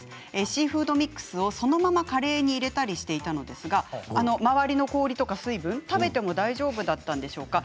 シーフードミックスをそのままカレーに入れたりしていたのですが周りの氷とか水分を食べても大丈夫だったんでしょうか？